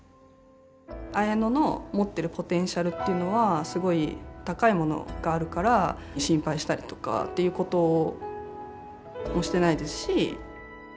綾乃の持ってるポテンシャルっていうのはすごい高いものがあるから心配したりとかっていうこともしてないですし。